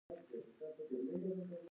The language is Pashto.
افغانستان د کرنې لپاره جوړ دی.